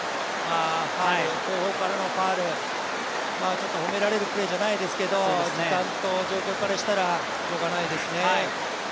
ちょっと褒められるプレーじゃないですけど、時間と状況からしたら、しようがないですね。